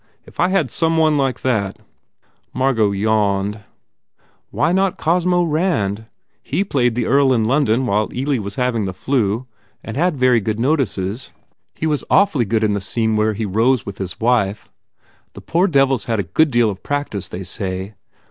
If I had some one like that" Margot yawned, "Why not try Cosmo Rand? He played the Earl in London while Ealy was having the flu and had very good notices. He was awfully good in the scene where he rows with his wife. The poor devil s had a good deal of practice, they say.